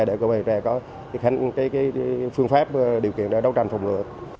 để cơ quan điều tra có phương pháp điều kiện đấu tranh phòng ngừa